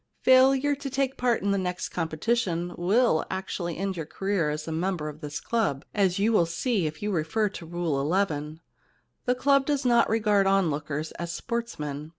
Failure to take part in the next competition will actually end your career as a member of this club, as you will see if P.O. 29 c The Problem Club you refer to rule eleven. The club does not regard onlookers as sportsmen.